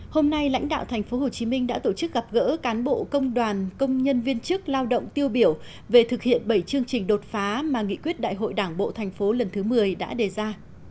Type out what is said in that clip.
hôm nay lãnh đạo tp hcm đã tổ chức gặp gỡ cán bộ công đoàn công nhân viên chức lao động tiêu biểu về thực hiện bảy chương trình đột phá mà nghị quyết đại hội đảng bộ thành phố lần thứ một mươi đã đề ra